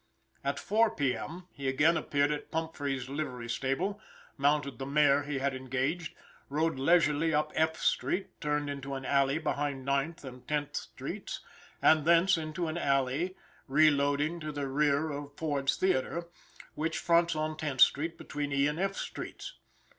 At 4 P. M., he again appeared at Pumphreys' livery stable, mounted the mare he had engaged, rode leisurely up F street, turned into an alley between Ninth And Tenth streets, and thence into an alley reloading to the rear of Ford's Theater, which fronts on Tenth street, between E and F streets.